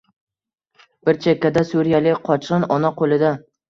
bir chekkada suriyalik qochqin ona qo‘lida